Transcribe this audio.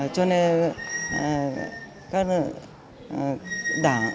cho nên các đảng